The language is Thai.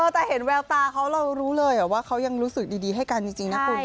แต่เห็นแววตาเขาเรารู้เลยว่าเขายังรู้สึกดีให้กันจริงนะคุณ